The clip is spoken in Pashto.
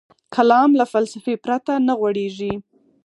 کلام له فلسفې پرته نه غوړېږي.